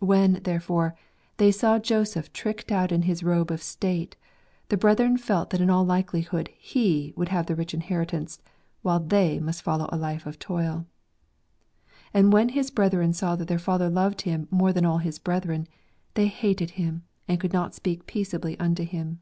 When, therefore, they saw Joseph tricked out in his robe of state, the brethren felt that in all likelihood he would have the rich inheritance, whilst they must follow a life of toil. "And when his brethren saw that their father loved him more than all his brethren, they hated him, and could not speak peaceably unto him."